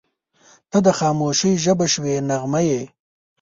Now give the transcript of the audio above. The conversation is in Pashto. • ته د خاموشۍ ژبه شوې نغمه یې.